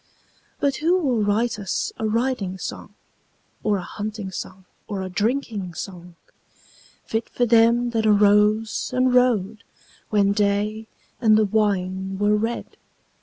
But who will write us a riding song, Or a hunting song or a drinking song, Fit for them that arose and rode When day and the wine were red?